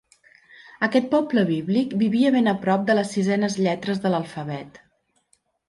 Aquest poble bíblic vivia ben a prop de les sisenes lletres de l'alfabet.